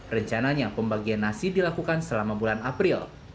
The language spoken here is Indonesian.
rencananya pembagian nasi dilakukan selama bulan april